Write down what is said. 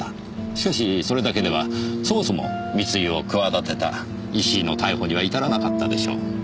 しかしそれだけではそもそも密輸を企てた石井の逮捕には至らなかったでしょう。